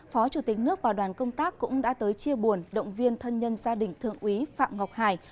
phó chủ tịch nước và đoàn công tác cũng đã tới chia buồn động viên thân nhân gia đình thượng úy phạm ngọc hải